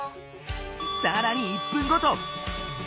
さらに１分ごと！